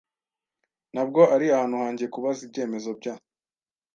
Ntabwo ari ahantu hanjye kubaza ibyemezo bya .